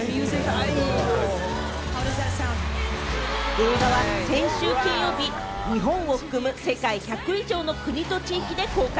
映画は先週金曜日、日本を含む世界１００以上の国と地域で公開。